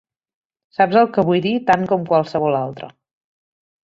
Saps el que vull dir tant com qualsevol altre.